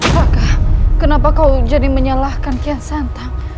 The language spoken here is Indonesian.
raka kenapa kau jadi menyalahkan kian santang